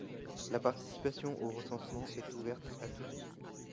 La participation au recensement est ouverte à tous.